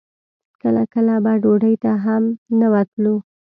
کله کله به ډوډۍ ته هم نه وتلو.